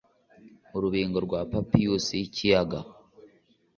urubingo rwa papirusi yikiyaga